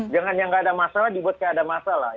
jangan yang tidak ada masalah dibuat keadaan masalah